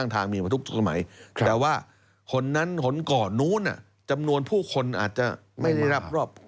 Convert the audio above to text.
แต่ว่าฝนก่อนนู้นจำนวนผู้คนอาจจะไม่ได้รับรอบ